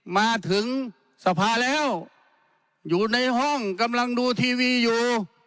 มาถึงสภาแล้วอยู่ในห้องกำลังดูทีวีอยู่